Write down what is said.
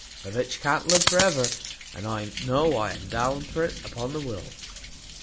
The bitch can't live for ever, and I know I am down for it upon the will."